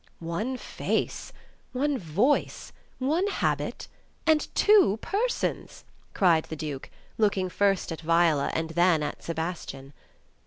"One face, one voice, one habit, and two persons!" cried the Duke, looking first at Viola, and then at Sebastian.